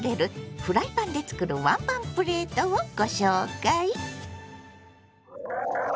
フライパンで作るワンパンプレートをご紹介！